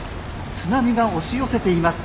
津波が押し寄せています。